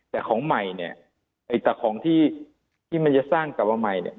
แต่ของใหม่เนี่ยไอ้แต่ของที่ที่มันจะสร้างกลับมาใหม่เนี่ย